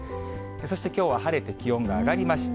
そしてきょうは晴れて気温が上がりました。